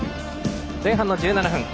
前半の１７分。